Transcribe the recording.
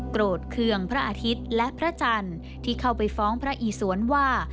โกรธเคืองพระอาทิตย์และพระจันทร์ที่เข้าไปฟ้องพระอีสวนว่า